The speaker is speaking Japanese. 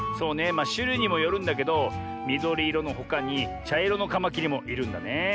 まあしゅるいにもよるんだけどみどりいろのほかにちゃいろのカマキリもいるんだね。